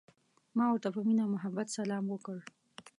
ما ورته په مینه او محبت سلام وکړ.